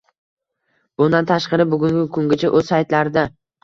Bundan tashqari bugungi kungacha o’z saytlarida